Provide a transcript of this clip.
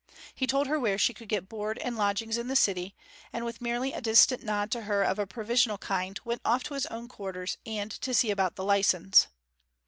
He told her where she could get board and lodgings in the city; and with merely a distant nod to her of a provisional kind, went off to his own quarters, and to see about the licence.